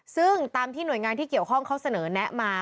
ซึ่งตามที่หน่วยงานที่เกี่ยวข้องเขาเสนอแนะมา